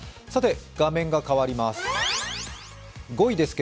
画面が変わります。